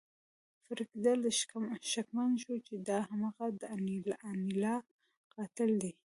فریدګل شکمن شو چې دا هماغه د انیلا قاتل دی